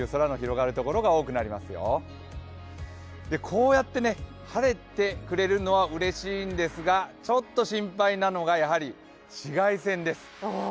こうやって晴れてくれるのはうれしいんですが、ちょっと心配なのが、紫外線です。